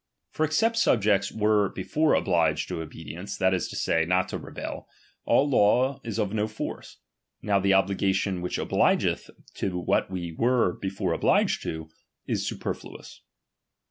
For ex es ^pt subjects were before obliged to obedience, t"fciat is to say, not to rebel, all law is of no force. t*^ow the obligation which obligeth to what we vx?^ere before obliged to, is superfluous.